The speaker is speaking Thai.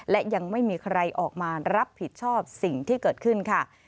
และยังไม่มีใครออกมารับผิดชอบสิ่งที่เกิดขึ้นค่ะ